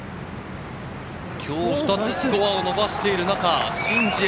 今日２つスコアを伸ばしている中、シン・ジエ。